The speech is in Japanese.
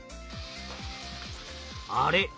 あれ？